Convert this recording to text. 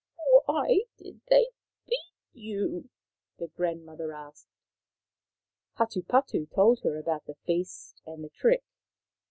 11 Why did they beat you ?" the grandmother asked. Hatupatu told her about the feast and the trick.